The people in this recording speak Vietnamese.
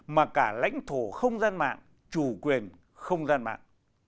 mà cả lãnh thổ không gian mạng chủ quyền không gian mạng